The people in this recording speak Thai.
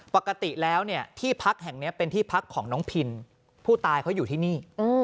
ปกติแล้วเนี่ยที่พักแห่งนี้เป็นที่พักของน้องพินผู้ตายเขาอยู่ที่นี่